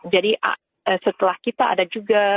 jadi setelah kita ada juga